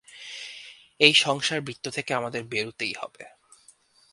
এই সংসার বৃত্ত থেকে আমাদের বেরুতেই হবে।